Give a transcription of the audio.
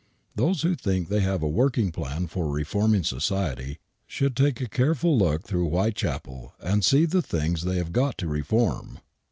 Those who think they have a working plan for reforming society should take a careful look through Whitechapel and see the things they have got to reform.